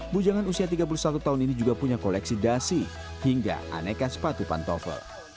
bujangan usia tiga puluh satu tahun ini juga punya koleksi dasi hingga aneka sepatu pantofel